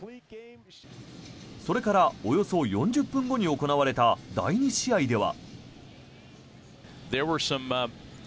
それからおよそ４０分後に行われた第２試合では。